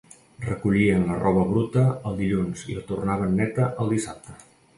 Recollien la roba bruta el dilluns i la tornaven neta el dissabte.